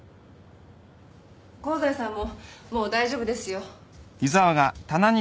香西さんももう大丈夫ですよ。